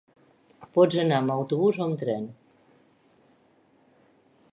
Pots anar amb autobús o amb tren.